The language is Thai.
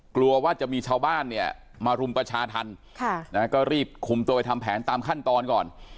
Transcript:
กลัวว่าจะมีชาวบ้านเนี่ยมารุมประชาธรรมก็รีบคุมตัวไปทำแผนตามขั้นตอนก่อน